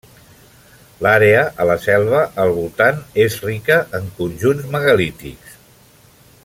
L'àrea a la seva al voltant és rica en conjunts megalítics.